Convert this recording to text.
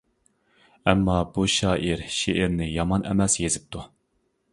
ئەمما بۇ شائىر شېئىرنى يامان ئەمەس يېزىپتۇ.